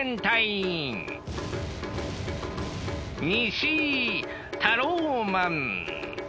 西タローマン。